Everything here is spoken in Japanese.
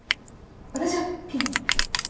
私はピンで。